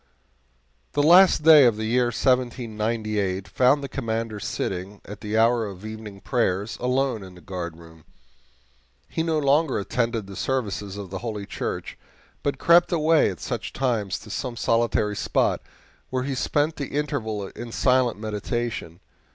The last day of the year 1798 found the Commander sitting, at the hour of evening prayers, alone in the guardroom. He no longer attended the services of the Holy Church, but crept away at such times to some solitary spot, where he spent the interval in silent meditation.